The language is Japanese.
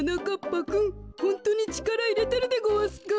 ぱくんホントにちからいれてるでごわすか？